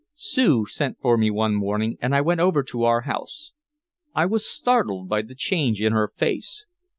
Sue sent for me one morning and I went over to our house. I was startled by the change in her face.